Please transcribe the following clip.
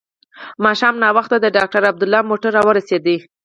ماښام ناوخته د ډاکټر عبدالله موټر راورسېد.